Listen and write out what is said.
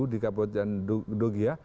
di kabupaten dogia